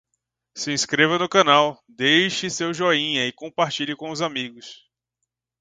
Se inscreva no canal, deixe seu joinha e compartilhe com os amigos